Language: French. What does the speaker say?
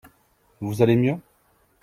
Vous allez mieux ?